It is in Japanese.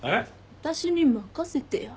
私に任せてよ。